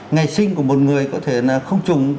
ngày sinh của một người có thể là không trùng